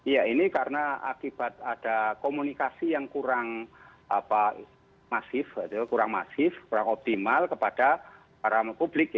ya ini karena akibat ada komunikasi yang kurang masif kurang masif kurang optimal kepada para publik